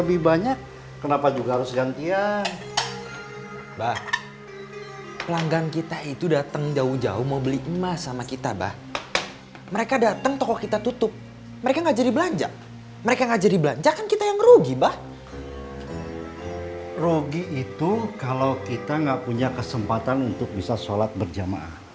itu kalau kita nggak punya kesempatan untuk bisa sholat berjamaah